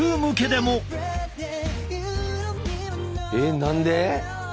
えっ何で！？